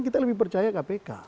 kita lebih percaya kpk